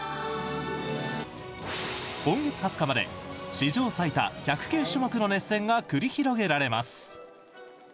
今月２０日まで史上最多１０９種目の熱戦が繰り広げられます。